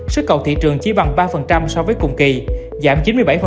sức cầu thị trường chỉ bằng ba so với cùng kỳ giảm chín mươi bảy